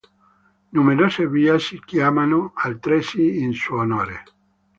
Numerose via si chiamano altresì in suo onore.